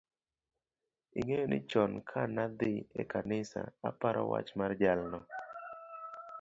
ing'eyo ni chon ka na dhi e kanisa aparo wach mar jalno